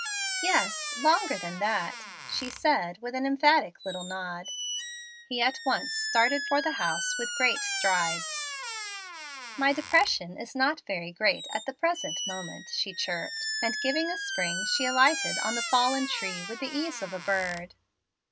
"Yes; longer than that," she said, with an emphatic little nod. He at once started for the house with great strides. "My 'depression' is not very great at the present moment," she chirped, and giving a spring she alighted on the fallen tree with the ease of a bird.